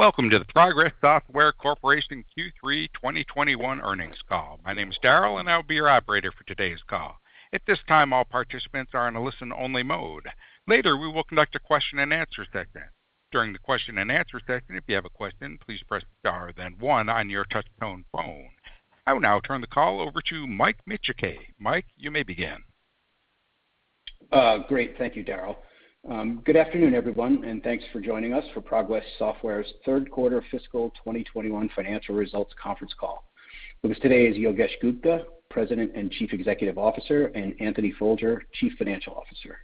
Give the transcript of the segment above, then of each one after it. Welcome to the Progress Software Corporation Q3 2021 earnings call. My name is Daryl, and I will be your operator for today's call. At this time, all participants are in a listen-only mode. Later, we will conduct a question-and-answer session. During the question-and-answer session, if you have a question, please press star then one on your touch-tone phone. I will now turn the call over to Mike Micciche. Mike, you may begin. Great. Thank you, Daryl. Good afternoon, everyone, and thanks for joining us for Progress Software's third quarter fiscal 2021 financial results conference call. With us today is Yogesh Gupta, President and Chief Executive Officer, and Anthony Folger, Chief Financial Officer.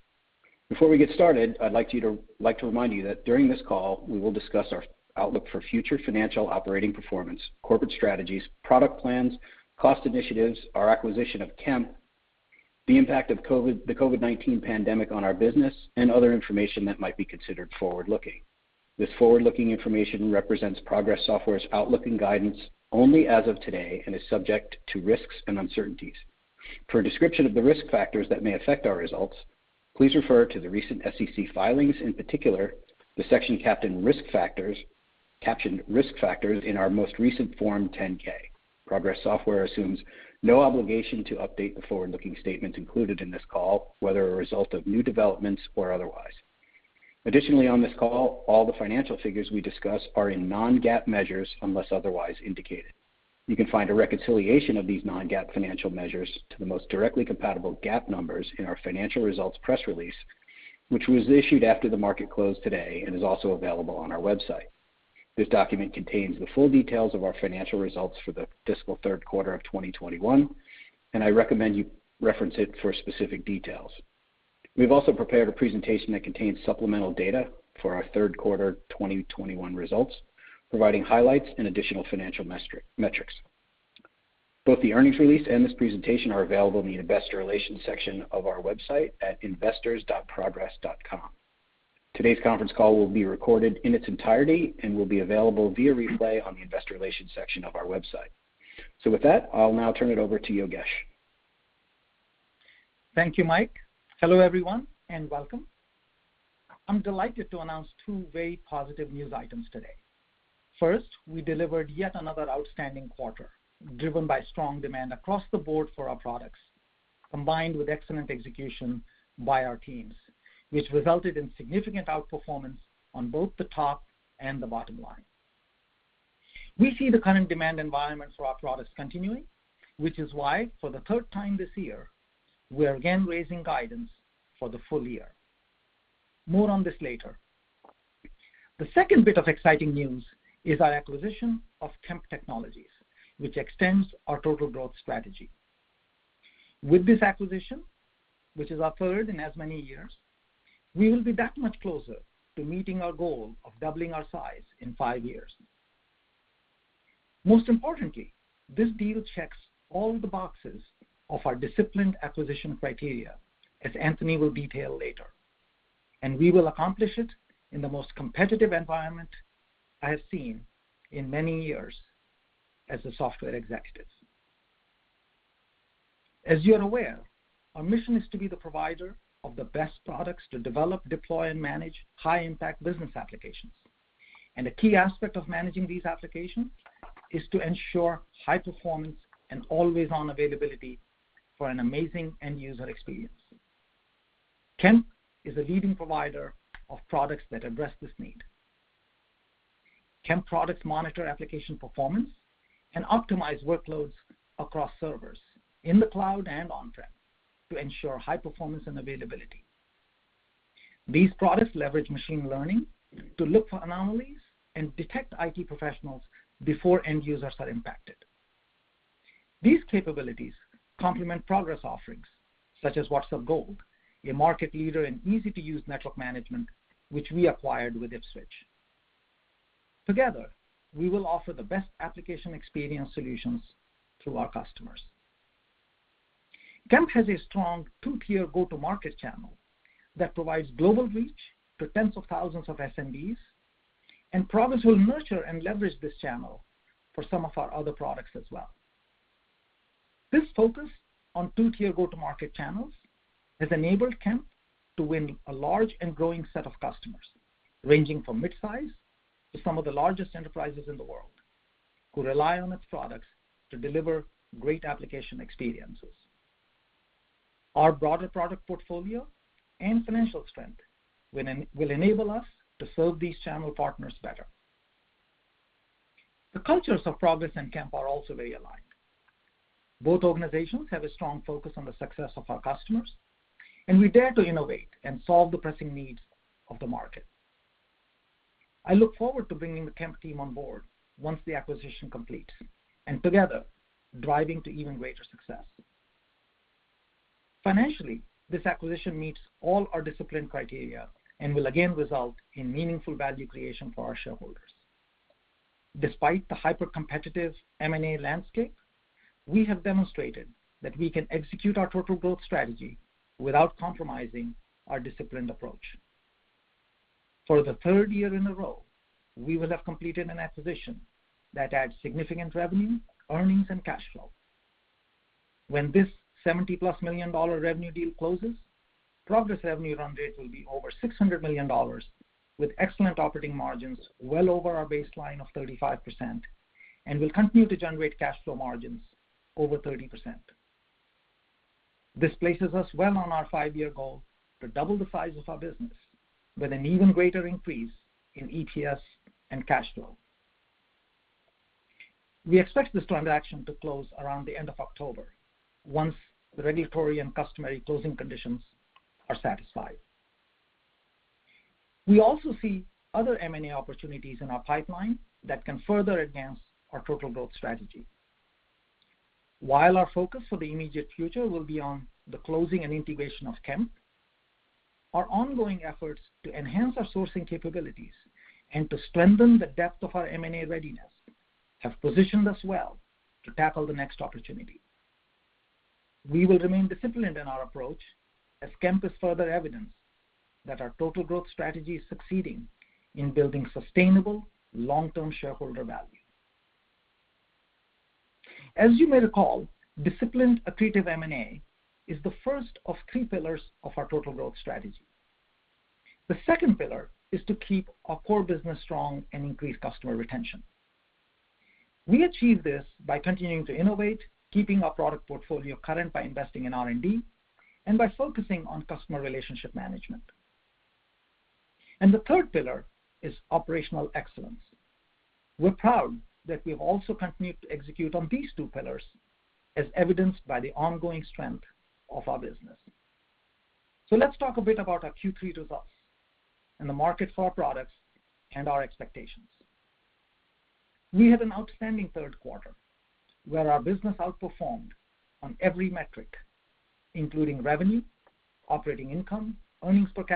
Before we get started, I'd like to remind you that during this call, we will discuss our outlook for future financial operating performance, corporate strategies, product plans, cost initiatives, our acquisition of Kemp, the impact of the COVID-19 pandemic on our business, and other information that might be considered forward-looking. This forward-looking information represents Progress Software's outlook and guidance only as of today and is subject to risks and uncertainties. For a description of the risk factors that may affect our results, please refer to the recent SEC filings, in particular, the section captioned risk factors in our most recent Form 10-K. Progress Software assumes no obligation to update the forward-looking statements included in this call, whether a result of new developments or otherwise. Additionally, on this call, all the financial figures we discuss are in non-GAAP measures unless otherwise indicated. You can find a reconciliation of these non-GAAP financial measures to the most directly compatible GAAP numbers in our financial results press release, which was issued after the market closed today and is also available on our website. This document contains the full details of our financial results for the fiscal third quarter of 2021, and I recommend you reference it for specific details. We've also prepared a presentation that contains supplemental data for our third quarter 2021 results, providing highlights and additional financial metrics. Both the earnings release and this presentation are available in the investor relations section of our website at investors.progress.com. Today's conference call will be recorded in its entirety and will be available via replay on the investor relations section of our website. With that, I'll now turn it over to Yogesh. Thank you, Mike. Hello, everyone, and welcome. I'm delighted to announce two very positive news items today. First, we delivered yet another outstanding quarter, driven by strong demand across the board for our products, combined with excellent execution by our teams, which resulted in significant outperformance on both the top and the bottom line. We see the current demand environment for our products continuing, which is why, for the third time this year, we are again raising guidance for the full year. More on this later. The second bit of exciting news is our acquisition of Kemp Technologies, which extends our total growth strategy. With this acquisition, which is our third in as many years, we will be that much closer to meeting our goal of doubling our size in five years. Most importantly, this deal checks all the boxes of our disciplined acquisition criteria, as Anthony will detail later, and we will accomplish it in the most competitive environment I have seen in many years as a software executive. As you're aware, our mission is to be the provider of the best products to develop, deploy, and manage high-impact business applications. A key aspect of managing these applications is to ensure high performance and always-on availability for an amazing end-user experience. Kemp is a leading provider of products that address this need. Kemp products monitor application performance and optimize workloads across servers, in the cloud, and on-prem to ensure high performance and availability. These products leverage machine learning to look for anomalies and detect IT professionals before end users are impacted. These capabilities complement Progress offerings such as WhatsUp Gold, a market leader in easy-to-use network management, which we acquired with Ipswitch. Together, we will offer the best application experience solutions to our customers. Kemp has a strong 2-tier go-to-market channel that provides global reach to tens of thousands of SMBs, and Progress will nurture and leverage this channel for some of our other products as well. This focus on 2-tier go-to-market channels has enabled Kemp to win a large and growing set of customers, ranging from mid-size to some of the largest enterprises in the world, who rely on its products to deliver great application experiences. Our broader product portfolio and financial strength will enable us to serve these channel partners better. The cultures of Progress and Kemp are also very aligned. Both organizations have a strong focus on the success of our customers, and we dare to innovate and solve the pressing needs of the market. I look forward to bringing the Kemp team on board once the acquisition completes, and together, driving to even greater success. Financially, this acquisition meets all our discipline criteria and will again result in meaningful value creation for our shareholders. Despite the hyper-competitive M&A landscape, we have demonstrated that we can execute our total growth strategy without compromising our disciplined approach. For the third year in a row, we will have completed an acquisition that adds significant revenue, earnings, and cash flow. When this $70+ million revenue deal closes, Progress revenue run rate will be over $600 million, with excellent operating margins well over our baseline of 35%, and will continue to generate cash flow margins over 30%. This places us well on our five-year goal to double the size of our business with an even greater increase in EPS and cash flow. We expect this transaction to close around the end of October, once the regulatory and customary closing conditions are satisfied. We also see other M&A opportunities in our pipeline that can further advance our total growth strategy. While our focus for the immediate future will be on the closing and integration of Kemp, our ongoing efforts to enhance our sourcing capabilities and to strengthen the depth of our M&A readiness have positioned us well to tackle the next opportunity. We will remain disciplined in our approach, as Kemp is further evidence that our total growth strategy is succeeding in building sustainable long-term shareholder value. As you may recall, disciplined, accretive M&A is the first of three pillars of our total growth strategy. The second pillar is to keep our core business strong and increase customer retention. We achieve this by continuing to innovate, keeping our product portfolio current by investing in R&D, and by focusing on customer relationship management. The third pillar is operational excellence. We're proud that we have also continued to execute on these two pillars as evidenced by the ongoing strength of our business. Let's talk a bit about our Q3 results and the market for our products and our expectations. We had an outstanding third quarter, where our business outperformed on every metric, including revenue, operating income, earnings per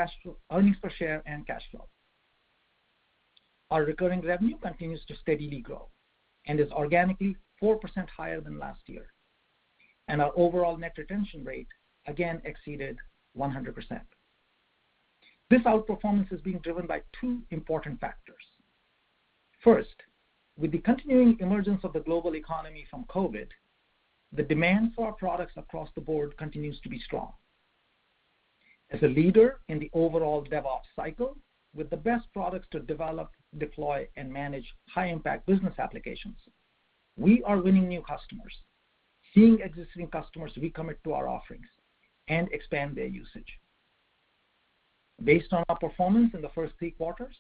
share, and cash flow. Our recurring revenue continues to steadily grow and is organically 4% higher than last year. Our overall net retention rate again exceeded 100%. This outperformance is being driven by two important factors. First, with the continuing emergence of the global economy from COVID-19, the demand for our products across the board continues to be strong. As a leader in the overall DevOps cycle with the best products to develop, deploy, and manage high-impact business applications, we are winning new customers, seeing existing customers recommit to our offerings, and expand their usage. Based on our performance in the first three quarters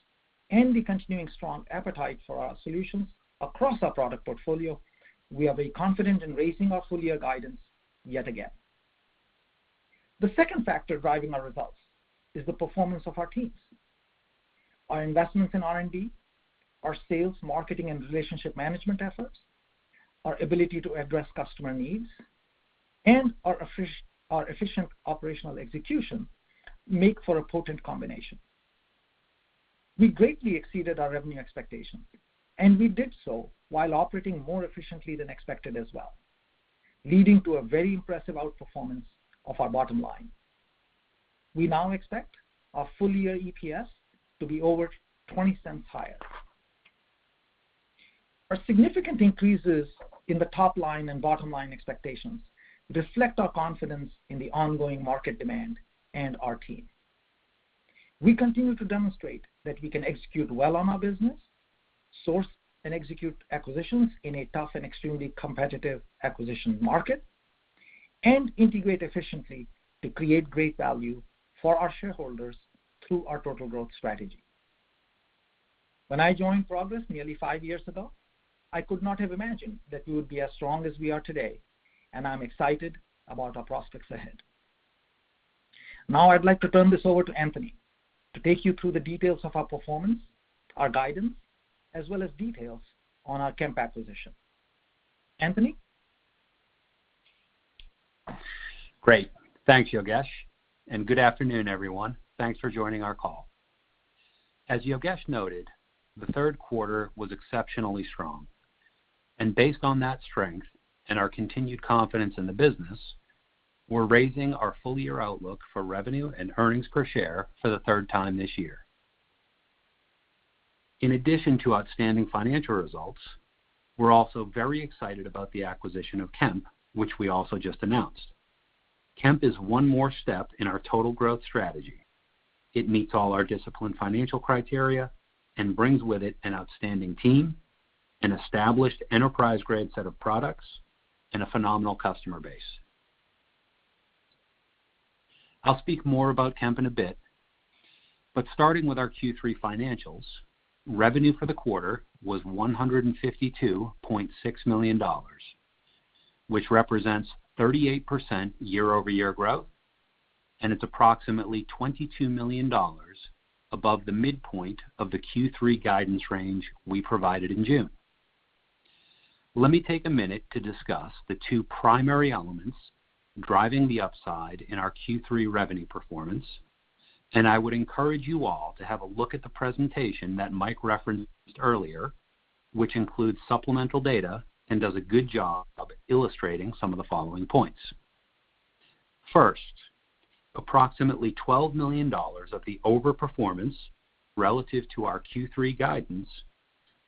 and the continuing strong appetite for our solutions across our product portfolio, we are very confident in raising our full-year guidance yet again. The second factor driving our results is the performance of our teams. Our investments in R&D, our sales, marketing, and relationship management efforts, our ability to address customer needs, and our efficient operational execution make for a potent combination. We greatly exceeded our revenue expectations, and we did so while operating more efficiently than expected as well, leading to a very impressive outperformance of our bottom line. We now expect our full-year EPS to be over $0.20 higher. Our significant increases in the top-line and bottom-line expectations reflect our confidence in the ongoing market demand and our team. We continue to demonstrate that we can execute well on our business, source and execute acquisitions in a tough and extremely competitive acquisition market, and integrate efficiently to create great value for our shareholders through our total growth strategy. When I joined Progress nearly five years ago, I could not have imagined that we would be as strong as we are today, and I'm excited about our prospects ahead. I'd like to turn this over to Anthony to take you through the details of our performance, our guidance, as well as details on our Kemp acquisition. Anthony? Great. Thanks, Yogesh. Good afternoon, everyone. Thanks for joining our call. As Yogesh noted, the third quarter was exceptionally strong. Based on that strength and our continued confidence in the business, we're raising our full-year outlook for revenue and earnings per share for the third time this year. In addition to outstanding financial results, we're also very excited about the acquisition of Kemp, which we also just announced. Kemp is one more step in our total growth strategy. It meets all our disciplined financial criteria and brings with it an outstanding team, an established enterprise-grade set of products, and a phenomenal customer base. I'll speak more about Kemp in a bit. Starting with our Q3 financials, revenue for the quarter was $152.6 million, which represents 38% year-over-year growth, and it's approximately $22 million above the midpoint of the Q3 guidance range we provided in June. Let me take a minute to discuss the two primary elements driving the upside in our Q3 revenue performance. I would encourage you all to have a look at the presentation that Mike referenced earlier, which includes supplemental data and does a good job of illustrating some of the following points. First, approximately $12 million of the over-performance relative to our Q3 guidance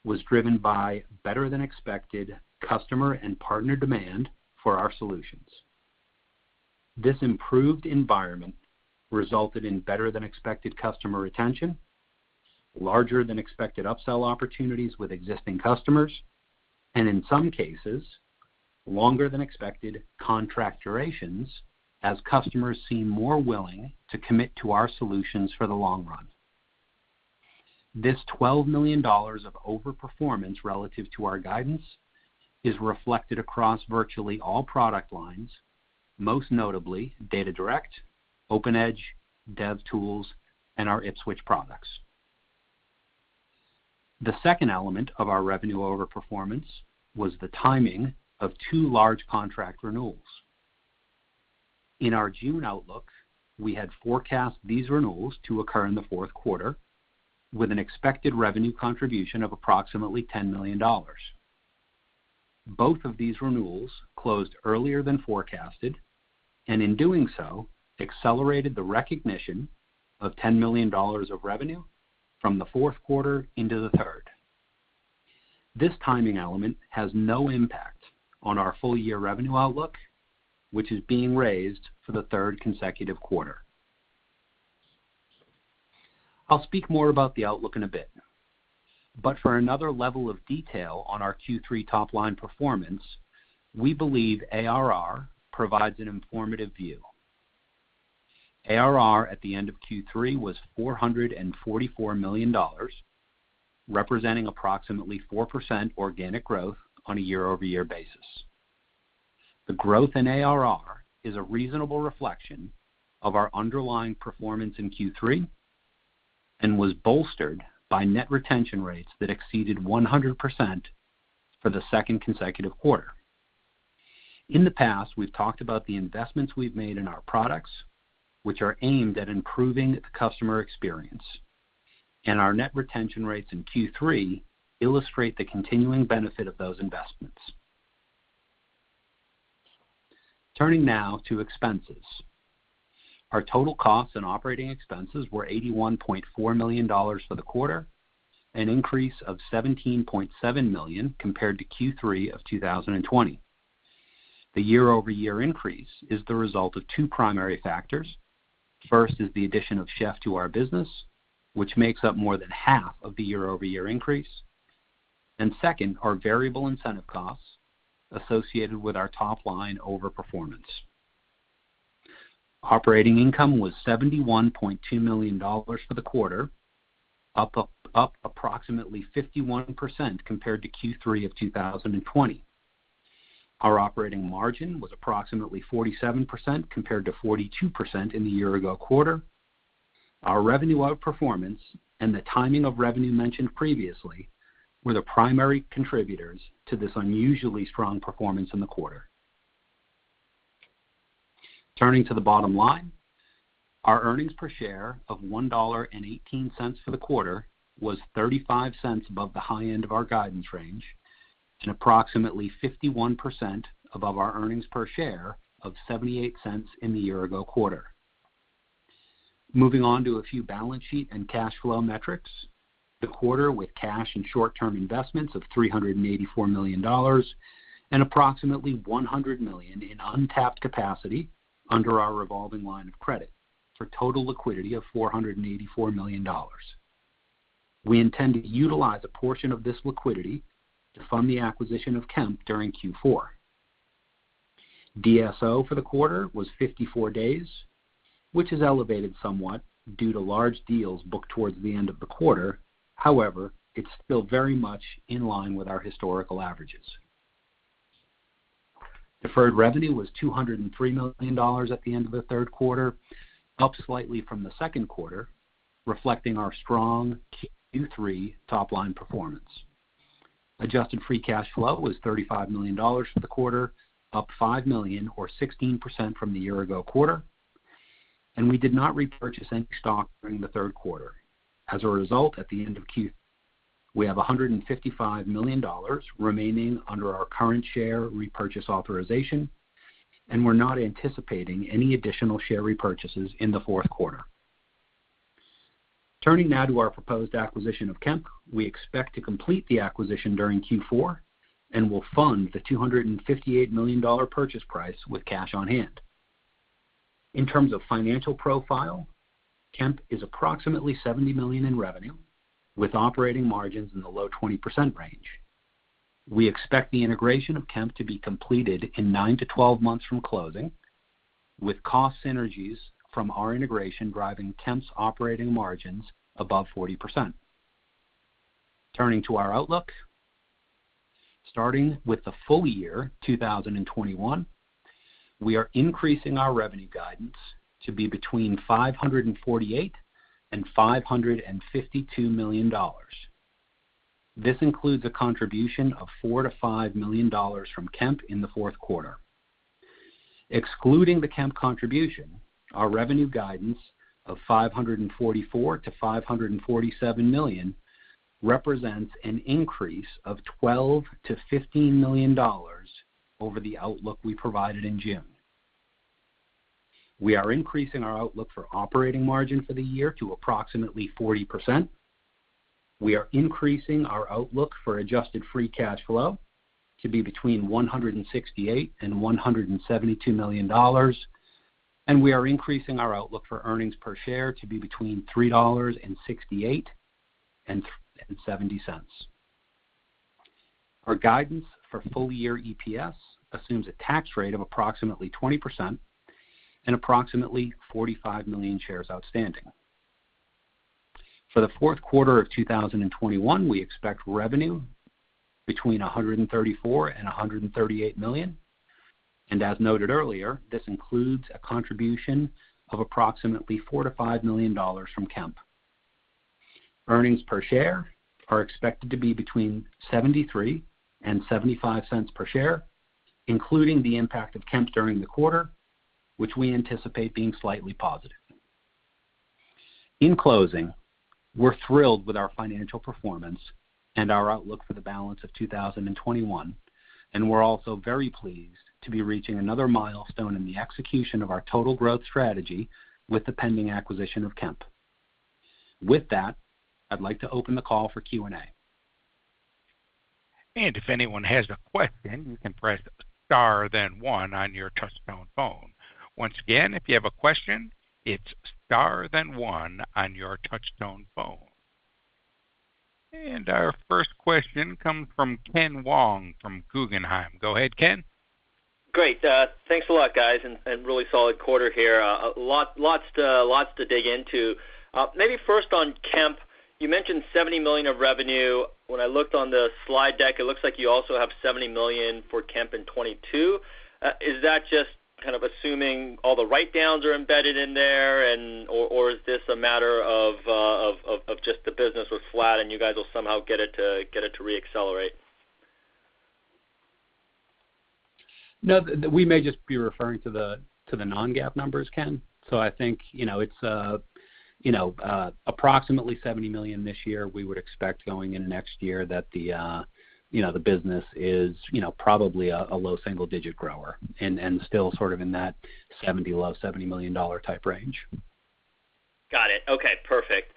was driven by better than expected customer and partner demand for our solutions. This improved environment resulted in better than expected customer retention, larger than expected upsell opportunities with existing customers, and in some cases, longer than expected contract durations as customers seem more willing to commit to our solutions for the long run. This $12 million of over-performance relative to our guidance is reflected across virtually all product lines, most notably DataDirect, OpenEdge, DevTools, and our Ipswitch products. The second element of our revenue over-performance was the timing of two large contract renewals. In our June outlook, we had forecast these renewals to occur in the fourth quarter, with an expected revenue contribution of approximately $10 million. Both of these renewals closed earlier than forecasted, and in doing so, accelerated the recognition of $10 million of revenue from the fourth quarter into the third. This timing element has no impact on our full-year revenue outlook, which is being raised for the third consecutive quarter. I'll speak more about the outlook in a bit, but for another level of detail on our Q3 top-line performance, we believe ARR provides an informative view. ARR at the end of Q3 was $444 million, representing approximately 4% organic growth on a year-over-year basis. The growth in ARR is a reasonable reflection of our underlying performance in Q3, and was bolstered by net retention rates that exceeded 100% for the second consecutive quarter. In the past, we've talked about the investments we've made in our products, which are aimed at improving the customer experience, and our net retention rates in Q3 illustrate the continuing benefit of those investments. Turning now to expenses. Our total costs and operating expenses were $81.4 million for the quarter, an increase of $17.7 million compared to Q3 of 2020. The year-over-year increase is the result of two primary factors. First is the addition of Chef to our business, which makes up more than half of the year-over-year increase. Second, our variable incentive costs associated with our top-line over-performance. Operating income was $71.2 million for the quarter, up approximately 51% compared to Q3 of 2020. Our operating margin was approximately 47% compared to 42% in the year ago quarter. Our revenue outperformance and the timing of revenue mentioned previously were the primary contributors to this unusually strong performance in the quarter. Turning to the bottom line, our earnings per share of $1.18 for the quarter was $0.35 above the high end of our guidance range, and approximately 51% above our earnings per share of $0.78 in the year ago quarter. Moving on to a few balance sheet and cash flow metrics. The quarter with cash and short-term investments of $384 million, and approximately $100 million in untapped capacity under our revolving line of credit, for total liquidity of $484 million. We intend to utilize a portion of this liquidity to fund the acquisition of Kemp during Q4. DSO for the quarter was 54 days, which is elevated somewhat due to large deals booked towards the end of the quarter. However, it's still very much in line with our historical averages. Deferred revenue was $203 million at the end of the third quarter, up slightly from the second quarter, reflecting our strong Q3 top-line performance. Adjusted free cash flow was $35 million for the quarter, up $5 million or 16% from the year-ago quarter, and we did not repurchase any stock during the third quarter. As a result, at the end of Q, we have $155 million remaining under our current share repurchase authorization, and we're not anticipating any additional share repurchases in the fourth quarter. Turning now to our proposed acquisition of Kemp, we expect to complete the acquisition during Q4, and will fund the $258 million purchase price with cash on hand. In terms of financial profile, Kemp is approximately $70 million in revenue, with operating margins in the low 20% range. We expect the integration of Kemp to be completed in nine to 12 months from closing, with cost synergies from our integration driving Kemp's operating margins above 40%. Turning to our outlook. Starting with the full year 2021, we are increasing our revenue guidance to be between $548 million and $552 million. This includes a contribution of $4 million to $5 million from Kemp in the fourth quarter. Excluding the Kemp contribution, our revenue guidance of $544 million to $547 million represents an increase of $12 million to $15 million over the outlook we provided in June. We are increasing our outlook for operating margin for the year to approximately 40%. We are increasing our outlook for adjusted free cash flow to be between $168 million and $172 million. We are increasing our outlook for earnings per share to be between $3.68 and $3.70. Our guidance for full-year EPS assumes a tax rate of approximately 20% and approximately 45 million shares outstanding. For the fourth quarter of 2021, we expect revenue between $134 million and $138 million, as noted earlier, this includes a contribution of approximately $4 million to $5 million from Kemp. Earnings per share are expected to be between $0.73 and $0.75 per share, including the impact of Kemp during the quarter, which we anticipate being slightly positive. In closing, we're thrilled with our financial performance and our outlook for the balance of 2021, we're also very pleased to be reaching another milestone in the execution of our total growth strategy with the pending acquisition of Kemp. With that, I'd like to open the call for Q&A. If anyone has a question, you can press star then one on your touch-tone phone. Once again, if you have a question, it's star then one on your touch-tone phone. Our first question comes from Ken Wong from Guggenheim. Go ahead, Ken. Great. Thanks a lot, guys. Really solid quarter here. Lots to dig into. Maybe first on Kemp, you mentioned $70 million of revenue. When I looked on the slide deck, it looks like you also have $70 million for Kemp in 2022. Is that just kind of assuming all the write-downs are embedded in there, or is this a matter of just the business was flat and you guys will somehow get it to re-accelerate? No. We may just be referring to the non-GAAP numbers, Ken. I think it's approximately $70 million this year. We would expect going into next year that the business is probably a low single-digit grower and still sort of in that below $70 million type range. Got it. Okay, perfect.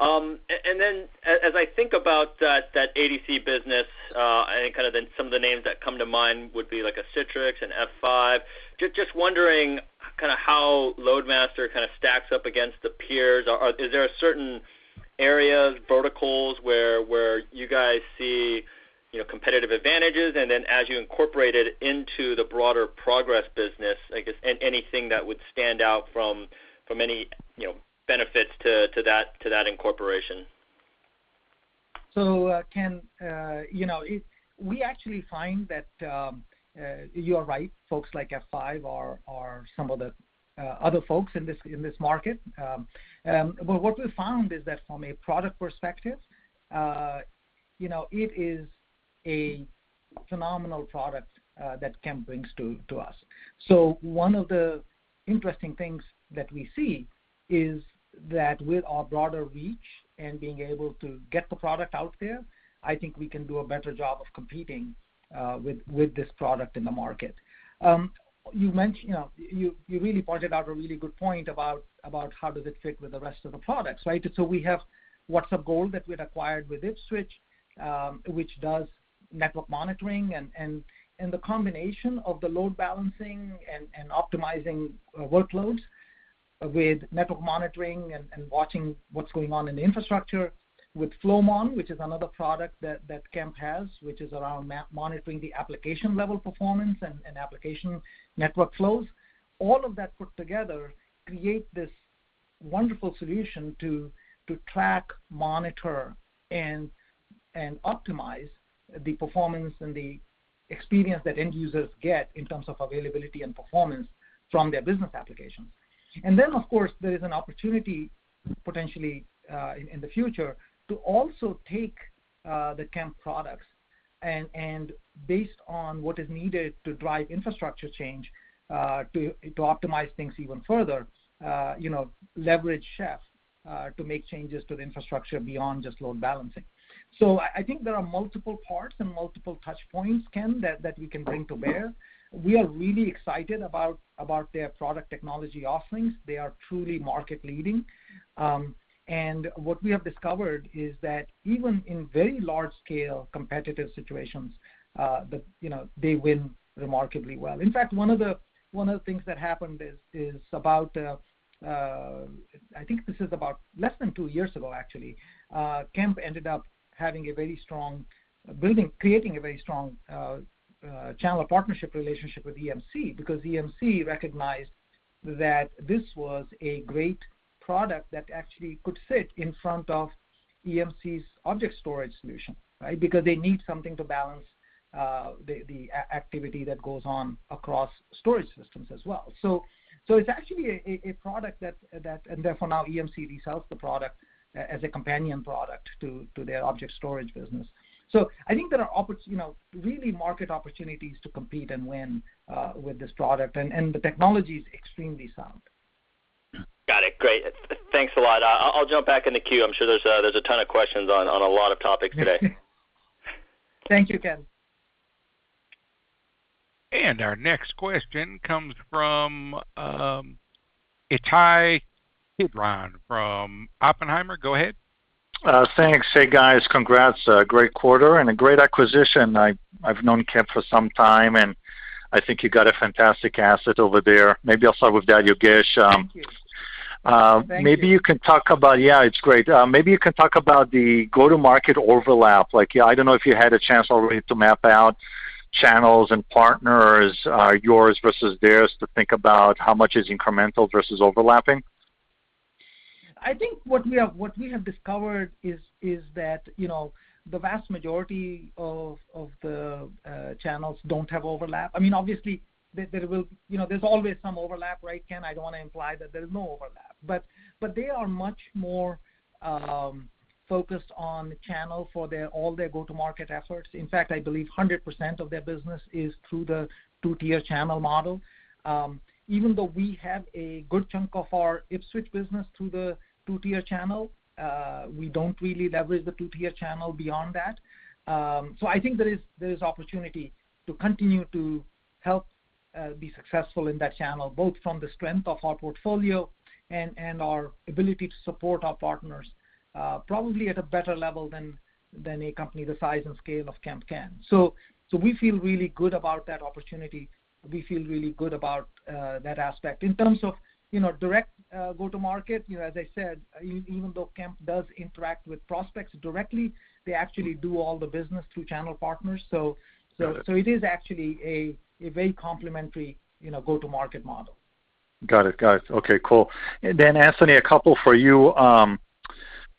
As I think about that ADC business, I think kind of some of the names that come to mind would be like a Citrix, an F5. Just wondering kind of how LoadMaster kind of stacks up against the peers. Is there certain areas, verticals, where you guys see competitive advantages? As you incorporate it into the broader Progress business, I guess, anything that would stand out from any benefits to that incorporation? Ken, we actually find that you are right. Folks like F5 are some of the other folks in this market. What we found is that from a product perspective, it is a phenomenal product that Kemp brings to us. One of the interesting things that we see is that with our broader reach and being able to get the product out there, I think we can do a better job of competing with this product in the market. You really pointed out a really good point about how does it fit with the rest of the products, right? We have WhatsUp Gold that we'd acquired with Ipswitch, which does network monitoring. The combination of the load balancing and optimizing workloads with network monitoring and watching what's going on in the infrastructure with Flowmon, which is another product that Kemp has, which is around monitoring the application level performance and application network flows. All of that put together create this wonderful solution to track, monitor, and optimize the performance and the experience that end users get in terms of availability and performance from their business applications. Then, of course, there is an opportunity, potentially in the future, to also take the Kemp products, and based on what is needed to drive infrastructure change, to optimize things even further, leverage Chef to make changes to the infrastructure beyond just load balancing. I think there are multiple parts and multiple touch points, Ken, that we can bring to bear. We are really excited about their product technology offerings. They are truly market leading. What we have discovered is that even in very large scale competitive situations, they win remarkably well. In fact, one of the things that happened is about, I think this is about less than two years ago, actually. Kemp ended up creating a very strong channel partnership relationship with EMC because EMC recognized that this was a great product that actually could fit in front of EMC's object storage solution, right? They need something to balance the activity that goes on across storage systems as well. It's actually a product that therefore now EMC resells the product as a companion product to their object storage business. I think there are really market opportunities to compete and win with this product, and the technology's extremely sound. Got it. Great. Thanks a lot. I'll jump back in the queue. I'm sure there's a ton of questions on a lot of topics today. Thank you, Ken. Our next question comes from Ittai Kidron from Oppenheimer. Go ahead. Thanks. Hey, guys. Congrats. A great quarter and a great acquisition. I've known Kemp for some time, and I think you got a fantastic asset over there. Maybe I'll start with Yogesh. Thank you. Yeah, it's great. Maybe you can talk about the go-to-market overlap. I don't know if you had a chance already to map out channels and partners, yours versus theirs, to think about how much is incremental versus overlapping. I think what we have discovered is that, the vast majority of the channels don't have overlap. Obviously, there's always some overlap, right, Ken? I don't want to imply that there's no overlap. They are much more focused on the channel for all their go-to-market efforts. In fact, I believe 100% of their business is through the 2-tier channel model. Even though we have a good chunk of our Ipswitch business through the 2-tier channel, we don't really leverage the 2-tier channel beyond that. I think there is opportunity to continue to help be successful in that channel, both from the strength of our portfolio and our ability to support our partners, probably at a better level than a company the size and scale of Kemp can. We feel really good about that opportunity. We feel really good about that aspect. In terms of direct go-to-market, as I said, even though Kemp does interact with prospects directly, they actually do all the business through channel partners. Got it. it is actually a very complimentary go-to-market model. Got it. Okay, cool. Anthony, a couple for you.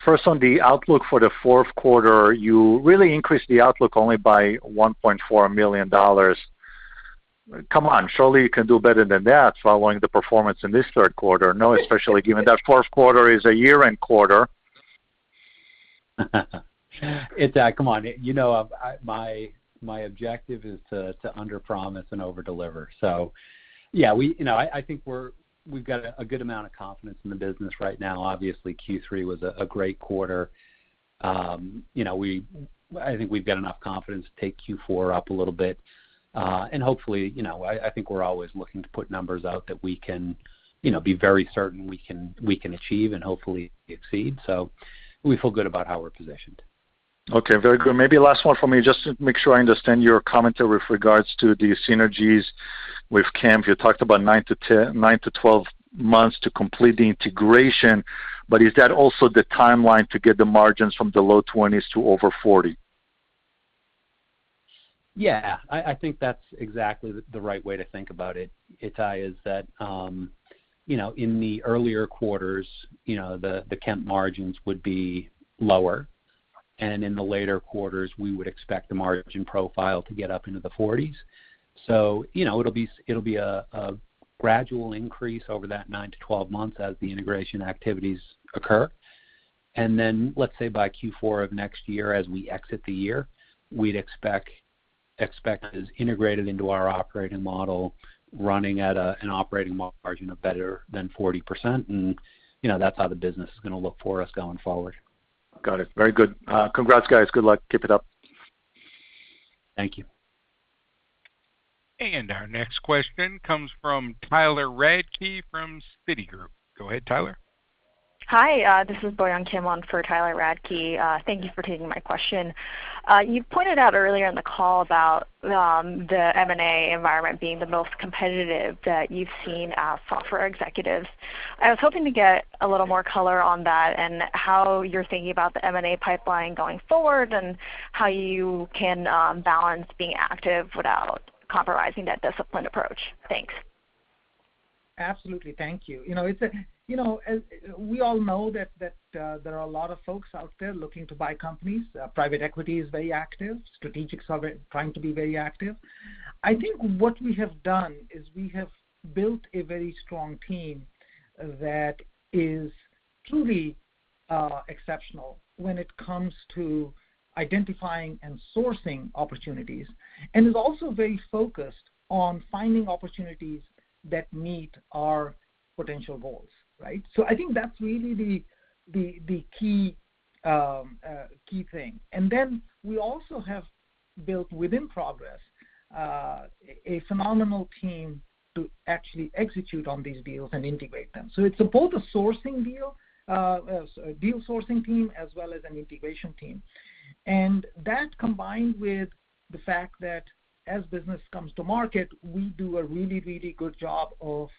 First, on the outlook for the fourth quarter, you really increased the outlook only by $1.4 million. Come on, surely you can do better than that following the performance in this third quarter, no? Especially given that fourth quarter is a year-end quarter. Ittai Kidron, come on. My objective is to underpromise and overdeliver. I think we've got a good amount of confidence in the business right now. Obviously, Q3 was a great quarter. I think we've got enough confidence to take Q4 up a little bit. I think we're always looking to put numbers out that we can be very certain we can achieve and hopefully exceed. We feel good about how we're positioned. Okay. Very good. Maybe last one for me, just to make sure I understand your commentary with regards to the synergies with Kemp. You talked about nine to 12 months to complete the integration, but is that also the timeline to get the margins from the low 20s to over 40? Yeah. I think that's exactly the right way to think about it, Ittai, is that, in the earlier quarters, the Kemp margins would be lower. In the later quarters, we would expect the margin profile to get up into the 40s. It'll be a gradual increase over that nine to 12 months as the integration activities occur. Let's say by Q4 of next year as we exit the year, we'd expect it is integrated into our operating model, running at an operating margin of better than 40%. That's how the business is going to look for us going forward. Got it. Very good. Congrats, guys. Good luck. Keep it up. Thank you. Our next question comes from Tyler Radke from Citigroup. Go ahead, Tyler. Hi, this is Boyoung Kim on for Tyler Radke. Thank you for taking my question. You pointed out earlier in the call about the M&A environment being the most competitive that you've seen as software executives. I was hoping to get a little more color on that and how you're thinking about the M&A pipeline going forward, and how you can balance being active without compromising that disciplined approach. Thanks. Absolutely. Thank you. We all know that there are a lot of folks out there looking to buy companies. Private equity is very active. Strategic's trying to be very active. I think what we have done is we have built a very strong team that is truly exceptional when it comes to identifying and sourcing opportunities, and is also very focused on finding opportunities that meet our potential goals. Right? I think that's really the key thing. Then we also have built within Progress, a phenomenal team to actually execute on these deals and integrate them. It's both a deal sourcing team as well as an integration team, and that combined with the fact that as business comes to market, we do a really, really good job of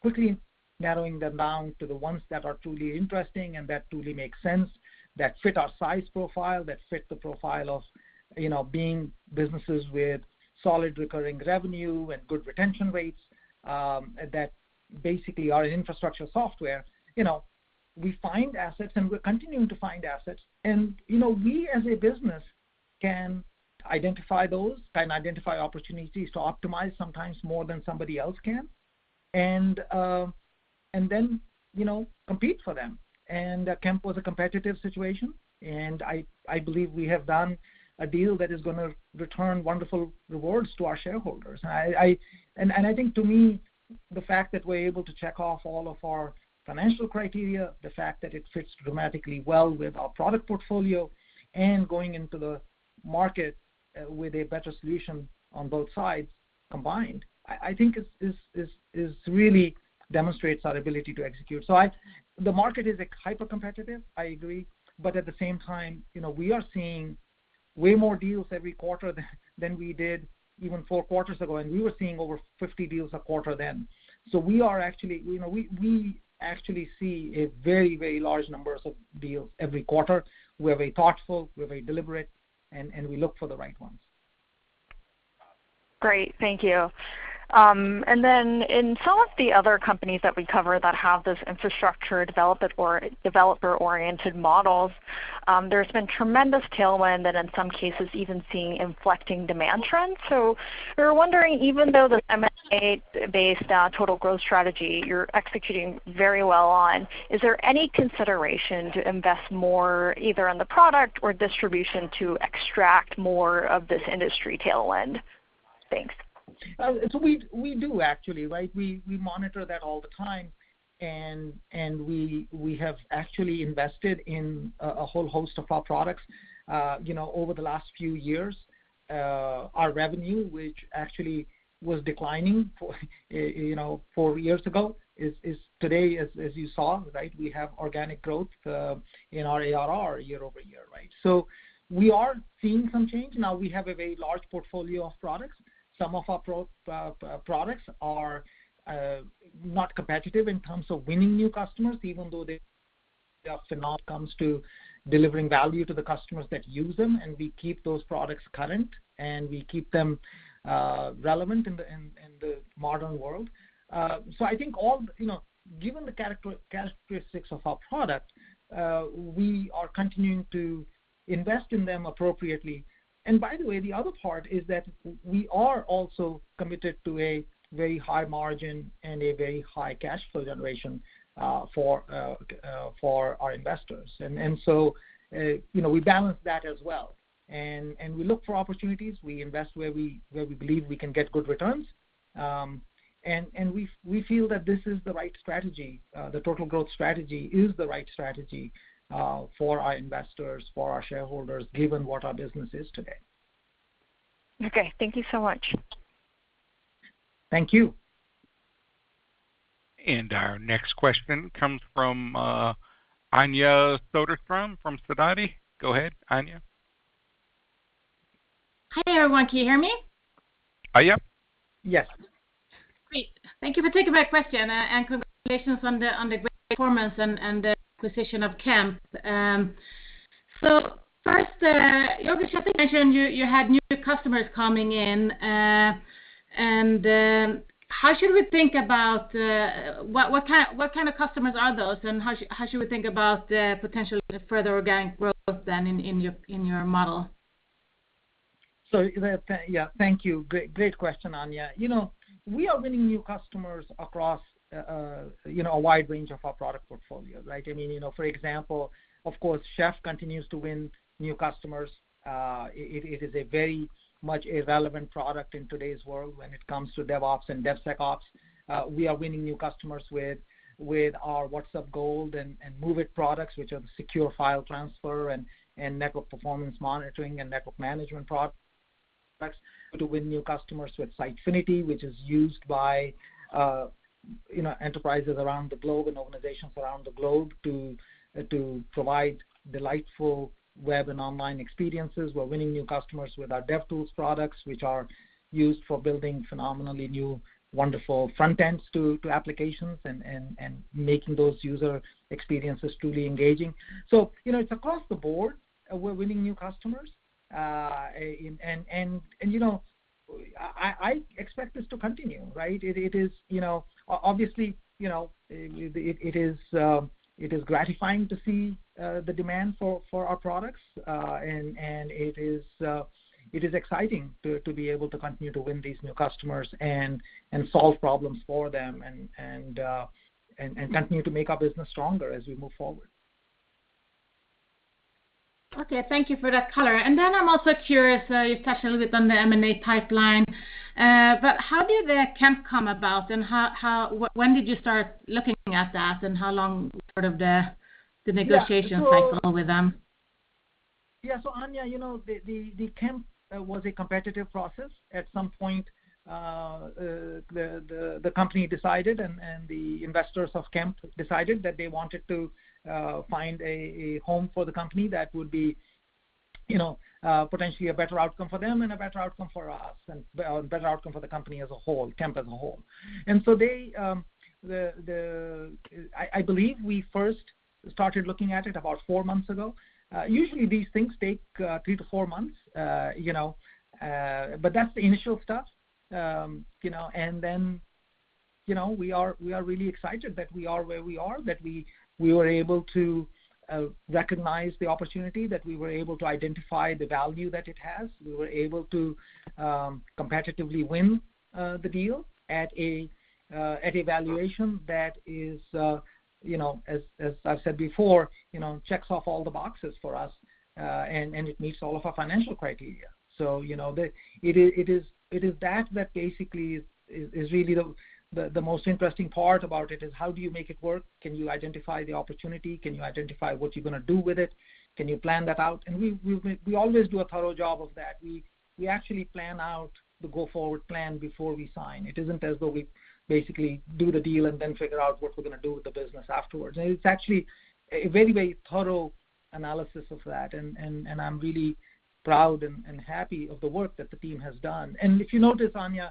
quickly narrowing them down to the ones that are truly interesting and that truly make sense, that fit our size profile, that fit the profile of being businesses with solid recurring revenue and good retention rates, that basically are infrastructure software. We find assets, and we're continuing to find assets, and we as a business can identify those, can identify opportunities to optimize sometimes more than somebody else can, compete for them. Kemp was a competitive situation, and I believe we have done a deal that is going to return wonderful rewards to our shareholders. I think to me, the fact that we're able to check off all of our financial criteria, the fact that it fits dramatically well with our product portfolio, and going into the market with a better solution on both sides combined, I think this really demonstrates our ability to execute. The market is hypercompetitive, I agree, but at the same time, we are seeing way more deals every quarter than we did even four quarters ago, and we were seeing over 50 deals a quarter then. We actually see a very large numbers of deals every quarter. We're very thoughtful, we're very deliberate, and we look for the right ones. Great, thank you. In some of the other companies that we cover that have this infrastructure developer-oriented models, there's been tremendous tailwind and in some cases even seeing inflecting demand trends. We were wondering, even though the M&A-based total growth strategy you're executing very well on, is there any consideration to invest more either on the product or distribution to extract more of this industry tailwind? Thanks. We do actually. We monitor that all the time, and we have actually invested in a whole host of our products. Over the last few years, our revenue, which actually was declining four years ago, is today, as you saw, we have organic growth in our ARR year-over-year. We are seeing some change. We have a very large portfolio of products. Some of our products are not competitive in terms of winning new customers. It all comes to delivering value to the customers that use them. We keep those products current and we keep them relevant in the modern world. Given the characteristics of our product, we are continuing to invest in them appropriately. And by the way, the other part is that we are also committed to a very high margin and a very high cash flow generation for our investors. And so we balance that as well. And we look for opportunities. We invest where we believe we can get good returns and we feel that this is the right strategy, the total growth strategy is the right strategy for our investors, for our shareholders, given what our business is today. Okay, thank you so much. Thank you. And our next question comes from Anja Soderstrom from Sidoti. Go ahead, Anja. Hi everyone. Can you hear me? Yes. Yes. Great. Thank you for taking my question and congratulations on the great performance and the acquisition of Kemp. First, you have new customers coming in and how should we think about what kind of customers are those? And how should we think about potentially further organic growth than in your model? Yes. Thank you. Great question, Anja. We are winning new customers across a wide range of our product portfolio, right. I mean, for example, of course Chef continues to win new customers, it is a very much a relevant product in today's world, when it comes to DevOps and DevSecOps. We are winning new customers with our WhatsUp Gold and MOVEit products, which secure file transfer and network performance monitoring and network management products, to win new customers with Sitefinity which is used by enterprises around the globe and organizations around the globe to provide delightful web and online experiences. We're winning new customers with our DevTools products, which are used for building phenomenally new wonderful front ends to applications and making those user experiences truly engaging. So it's across the board we're winning new customers and you know I expect this to continue, right. It is gratifying to see the demand for our products and it is exciting to be able to continue to win these new customers and solve problems for them and continue to make our business stronger as we move forward. Okay, thank you for that color. I'm also curious, you've touched a little bit on the M&A pipeline. How did the Kemp come about, and when did you start looking at that, and how long was sort of the negotiation cycle with them? Yeah. Anja, you know, the Kemp was a competitive process. At some point, the company decided, and the investors of Kemp decided that they wanted to find a home for the company that would be potentially a better outcome for them and a better outcome for us, and a better outcome for the company as a whole, Kemp as a whole. I believe we first started looking at it about four months ago. Usually these things take three to four months, but that's the initial stuff. We are really excited that we are where we are, that we were able to recognize the opportunity, that we were able to identify the value that it has. We were able to competitively win the deal at a valuation that is, as I've said before, checks off all the boxes for us, and it meets all of our financial criteria. It is that that basically is really the most interesting part about it is how do you make it work? Can you identify the opportunity? Can you identify what you're going to do with it? Can you plan that out? We always do a thorough job of that. We actually plan out the go-forward plan before we sign. It isn't as though we basically do the deal and then figure out what we're going to do with the business afterwards. It's actually a very, very thorough analysis of that, and I'm really proud and happy of the work that the team has done. If you notice, Anja,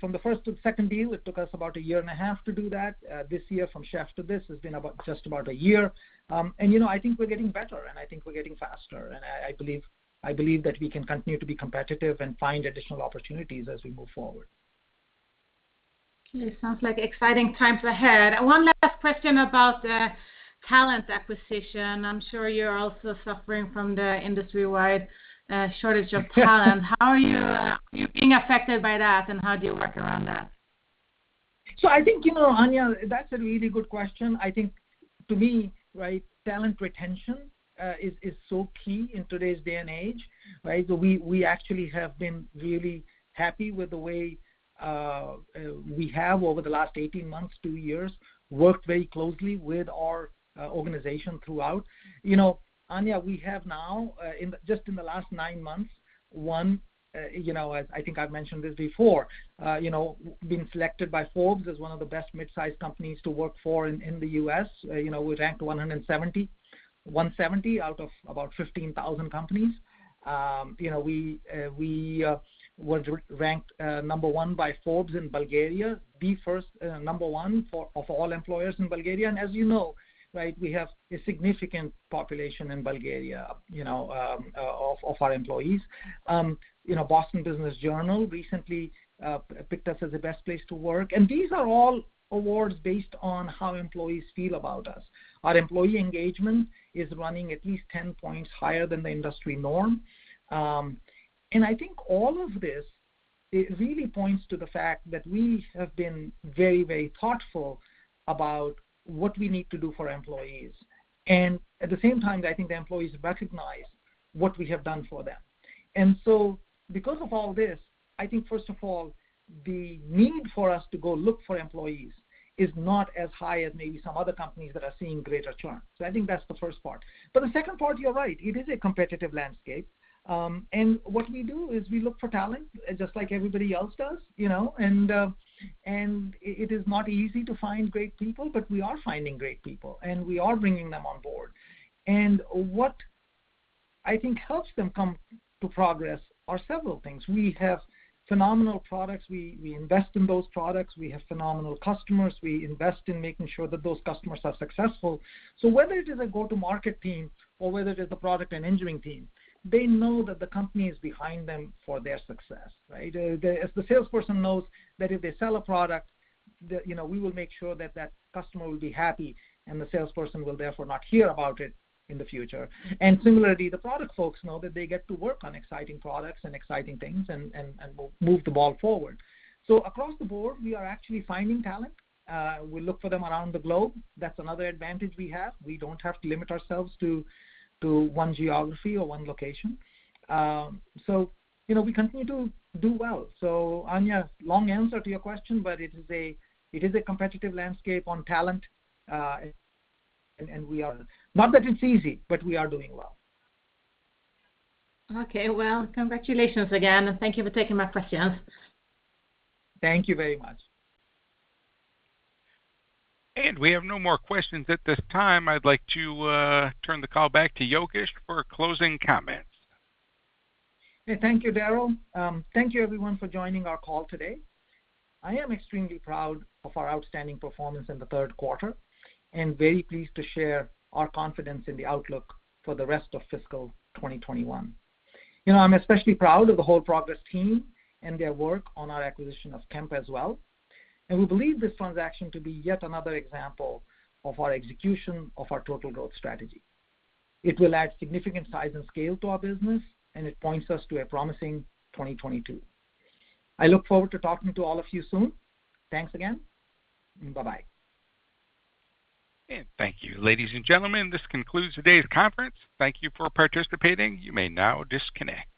from the first to the second deal, it took us about a year and a half to do that. This year, from Chef to this, has been about just about a year. I think we're getting better, and I think we're getting faster. I believe that we can continue to be competitive and find additional opportunities as we move forward. Okay, sounds like exciting times ahead. One last question about the talent acquisition. I'm sure you're also suffering from the industry-wide shortage of talent. How are you being affected by that, and how do you work around that? I think, Anja, that's a really good question. I think to me, talent retention is so key in today's day and age. We actually have been really happy with the way we have, over the last 18 months, two years, worked very closely with our organization throughout. Anja, we have now, just in the last nine months, won, I think I've mentioned this before, being selected by Forbes as one of the best mid-size companies to work for in the U.S. We ranked 170 out of about 15,000 companies. We were ranked number one by Forbes in Bulgaria, the first and number one of all employers in Bulgaria. As you know, we have a significant population in Bulgaria of our employees. Boston Business Journal recently picked us as a best place to work. These are all awards based on how employees feel about us. Our employee engagement is running at least ten points higher than the industry norm. I think all of this, it really points to the fact that we have been very thoughtful about what we need to do for employees. At the same time, I think the employees recognize what we have done for them. Because of all this, I think, first of all, the need for us to go look for employees is not as high as maybe some other companies that are seeing greater churn. I think that's the first part. The second part, you're right, it is a competitive landscape. What we do is we look for talent, just like everybody else does. It is not easy to find great people, but we are finding great people, and we are bringing them on board. What I think helps them come to Progress are several things. We have phenomenal products. We invest in those products. We have phenomenal customers. We invest in making sure that those customers are successful. Whether it is a go-to-market team or whether it is the product and engineering team, they know that the company is behind them for their success. The salesperson knows that if they sell a product, we will make sure that customer will be happy, and the salesperson will therefore not hear about it in the future. Similarly, the product folks know that they get to work on exciting products and exciting things and move the ball forward. Across the board, we are actually finding talent. We look for them around the globe. That's another advantage we have. We don't have to limit ourselves to one geography or one location. We continue to do well. Anja, long answer to your question, but it is a competitive landscape on talent. Not that it's easy, but we are doing well. Okay. Well, congratulations again, and thank you for taking my questions. Thank you very much. We have no more questions at this time. I'd like to turn the call back to Yogesh for closing comments. Yeah. Thank you, Daryl. Thank you everyone for joining our call today. I am extremely proud of our outstanding performance in the third quarter and very pleased to share our confidence in the outlook for the rest of fiscal 2021. I'm especially proud of the whole Progress team and their work on our acquisition of Kemp as well. We believe this transaction to be yet another example of our execution of our total growth strategy. It will add significant size and scale to our business, and it points us to a promising 2022. I look forward to talking to all of you soon. Thanks again, and bye-bye. Thank you. Ladies and gentlemen, this concludes today's conference. Thank you for participating. You may now disconnect.